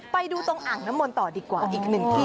ไปดูตรงอ่างน้ำมนต์ต่อดีกว่าอีกหนึ่งที่